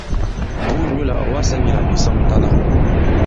Bùu nyǔ là ɔ̀ wasā nyɛ̄ là ɓè sɔŋtana.